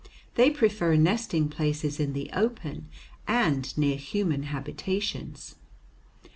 They prefer nesting places in the open, and near human habitations."